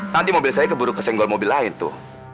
nanti mobil saya keburu ke senggol mobil lain tuh